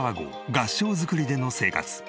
合掌造りでの生活。